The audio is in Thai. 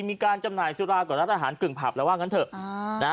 จำหน่ายสุรากับร้านอาหารกึ่งผับแล้วว่างั้นเถอะ